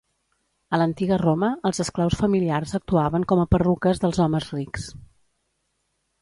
A l'Antiga Roma, els esclaus familiars actuaven com a perruques dels homes rics.